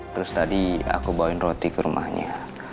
terus tadi aku bawain roti ke rumahnya